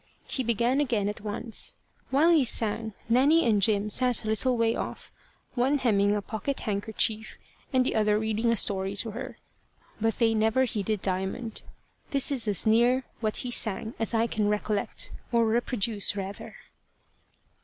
He began again at once. While he sang, Nanny and Jim sat a little way off, one hemming a pocket handkerchief, and the other reading a story to her, but they never heeded Diamond. This is as near what he sang as I can recollect, or reproduce rather.